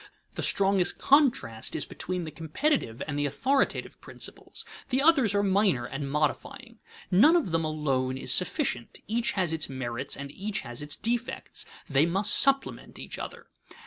The strongest contrast is between the competitive and the authoritative principles; the others are minor and modifying. None of them alone is sufficient; each has its merits and each has its defects; they must supplement each other.